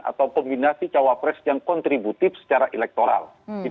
atau kombinasi cawa pres yang kontributif secara electoral